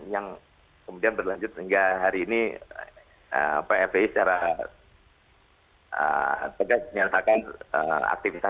yang kemudian berlanjut hingga hari ini pfi secara tegas menyelesaikan aktivitas